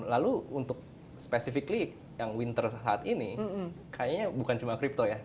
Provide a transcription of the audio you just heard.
lalu untuk spesifikly yang winter saat ini kayaknya bukan cuma crypto ya